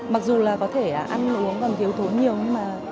mặc dù là có thể ăn uống còn thiếu thốn nhiều nhưng mà